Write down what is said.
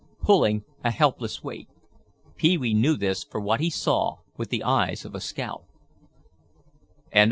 Pulling a helpless weight. Pee wee knew this for he saw with the eyes of a scout.